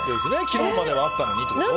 昨日まではあったのにってこと？